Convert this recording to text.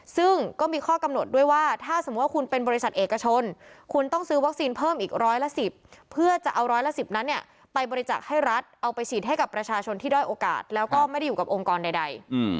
ซึ่งก็มีข้อกำหนดด้วยว่าถ้าสมมุติว่าคุณเป็นบริษัทเอกชนคุณต้องซื้อวัคซีนเพิ่มอีกร้อยละ๑๐เพื่อจะเอาร้อยละ๑๐นั้นเนี่ยไปบริจาคให้รัฐเอาไปฉีดให้กับประชาชนที่ด้อยโอกาสแล้วก็ไม่ได้อยู่กับองค์กรใด